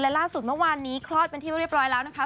และล่าสุดเมื่อวานนี้คลอดเป็นที่เรียบร้อยแล้วนะคะ